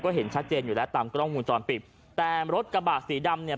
เห็นชัดเจนอยู่แล้วตามกล้องวงจรปิดแต่รถกระบะสีดำเนี่ย